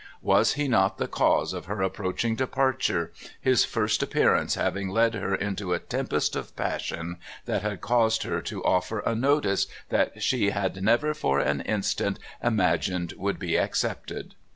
Was he not the cause of her approaching departure, his first appearance having led her into a tempest of passion that had caused her to offer a "notice" that she had never for an instant imagined would be accepted?